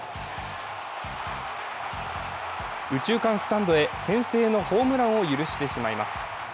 右中間スタンドへ先制のホームランを許してしまいます。